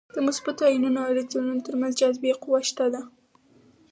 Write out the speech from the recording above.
د مثبتو ایونونو او الکترونونو تر منځ جاذبې قوه شته ده.